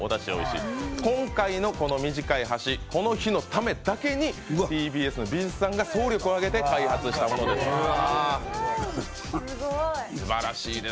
今回の短い箸、この日のためだけにＴＢＳの美術さんが総力をあげて開発したものでございます。